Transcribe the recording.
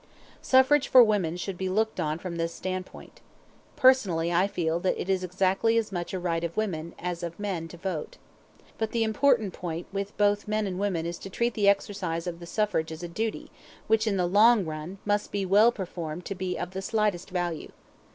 Suffrage for women should be looked on from this standpoint. Personally I feel that it is exactly as much a "right" of women as of men to vote. But the important point with both men and women is to treat the exercise of the suffrage as a duty, which, in the long run, must be well performed to be of the slightest value.